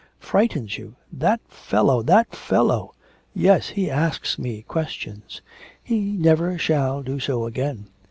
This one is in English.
'Frightens you! That fellow that fellow!' 'Yes; he asks me questions.' 'He never shall do so again.